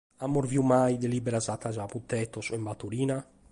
Amus bidu mai delìberas fatas a mutetos o in batorina?